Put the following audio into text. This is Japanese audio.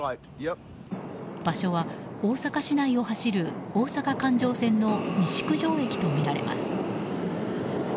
場所は大阪市内を走る大阪環状線の西九条駅とみられます。